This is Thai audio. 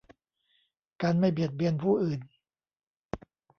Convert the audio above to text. การไม่เบียดเบียนผู้อื่น